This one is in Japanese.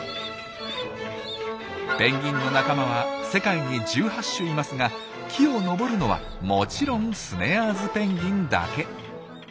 ペンギンの仲間は世界に１８種いますが木を登るのはもちろんスネアーズペンギンだけ。